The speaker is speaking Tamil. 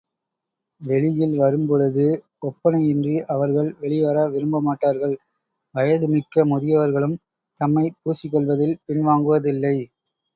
வெளியில் வரும்பொழுது ஒப்பனை இன்றி அவர்கள் வெளிவர விரும்பமாட்டார்கள், வயது மிக்க முதியவர்களும் தம்மைப் பூசிக்கொள்வதில் பின் வாங்குவதில்லை.